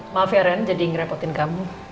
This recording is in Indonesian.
maaf ya ren jadi ngerepotin kamu